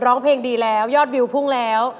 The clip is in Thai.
ร้องเพลงดีแล้วยอดวิวพุ่งแล้ว